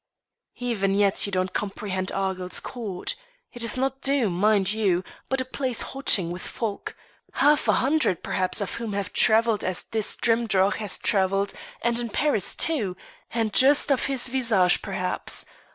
"Even yet you don't comprehend Argyll's court. It's not Doom, mind you, but a place hotching with folk half a hundred perhaps of whom have travelled as this Drimdarroch has travelled, and in Paris too, and just of his visage perhaps.